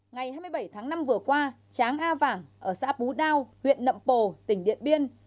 ngày hai mươi bảy tháng năm vừa qua tráng a vàng ở xã bú đao huyện nậm pồ tỉnh điện biên